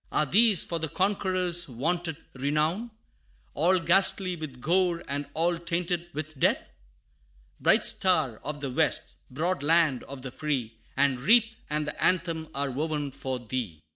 Are these for the conqueror's vaunted renown All ghastly with gore, and all tainted with death? Bright Star of the West broad Land of the Free, The wreath and the anthem are woven for thee!